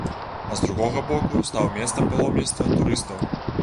А з другога боку, стаў месцам паломніцтва турыстаў.